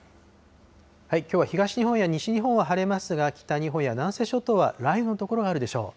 きょうは東日本や西日本は晴れますが、北日本や南西諸島は雷雨の所があるでしょう。